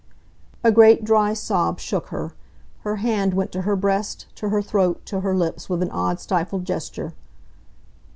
A great dry sob shook her. Her hand went to her breast, to her throat, to her lips, with an odd, stifled gesture.